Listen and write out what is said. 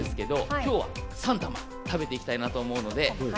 今回は３玉食べていきたいと思います。